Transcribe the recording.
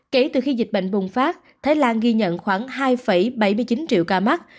kể từ khi dịch bệnh bùng phát thái lan ghi nhận khoảng hai bảy mươi chín triệu ca mắc